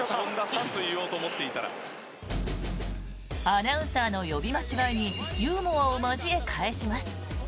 アナウンサーの呼び間違いにユーモアを交え、返します。